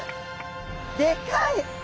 でかい！